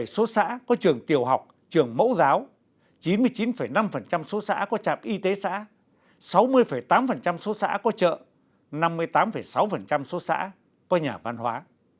chín mươi số xã có trường tiểu học trường mẫu giáo chín mươi chín năm số xã có trạm y tế xã sáu mươi tám số xã có chợ năm mươi tám sáu số xã có nhà văn hóa